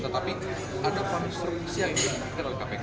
tetapi ada konstruksi yang juga terdakwa di kpk